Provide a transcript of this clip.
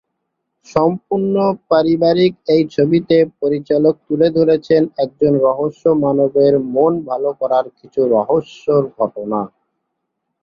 সম্পূর্ণ পারিবারিক এই ছবিটিতে পরিচালক তুলে ধরেছেন একজন রহস্য মানবের মন ভালো করার কিছু রহস্যের ঘটনা।